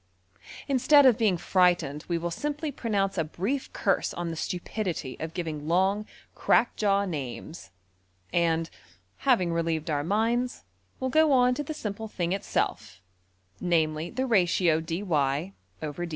Instead of being frightened we will simply pronounce a brief curse on the stupidity of giving long crack jaw names; and, having relieved our minds, will go on to the simple thing itself, namely the ratio~$\dfrac{dy}{dx}$.